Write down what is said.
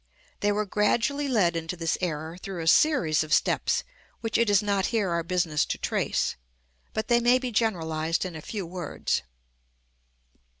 They were gradually led into this error through a series of steps which it is not here our business to trace. But they may be generalised in a few words.